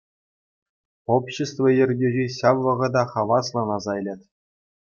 Общество ертӳҫи ҫав вӑхӑта хаваслӑн аса илет.